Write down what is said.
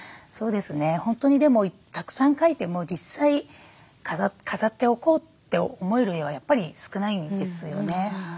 本当にでもたくさん描いても実際飾っておこうって思える絵はやっぱり少ないんですよね。